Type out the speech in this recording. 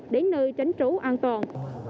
đến nơi tránh trú an toàn